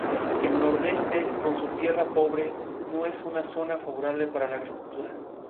El nordeste, con su tierra pobre, no es una zona favorable a la agricultura.